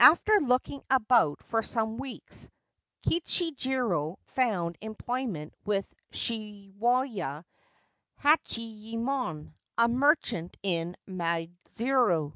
After looking about for some weeks, Kichijiro found employment with Shiwoya Hachiyemon, a merchant in Maidzuru.